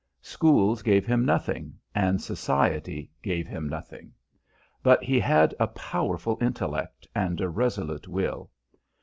Schools gave him nothing, and society gave him nothing. But he had a powerful intellect and a resolute will.